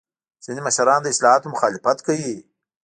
ځینې مشران د اصلاحاتو مخالفت کوي.